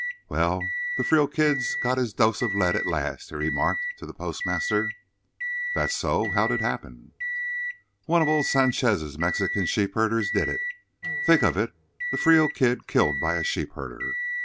"Well, the Frio Kid's got his dose of lead at last," he remarked to the postmaster. "That so? How'd it happen?" "One of old Sanchez's Mexican sheep herders did it!—think of it! the Frio Kid killed by a sheep herder!